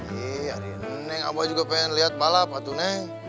ih hari ini neng abah juga pengen lihat balap atu neng